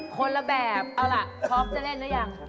คนละแบบอ่ะล่ะชอบจะเล่นรึยัง